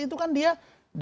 baik pak ndietar pak